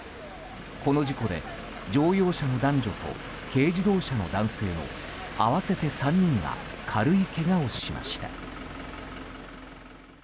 この事故で乗用車の男女と軽自動車の男性の合わせて３人が軽いけがをしました。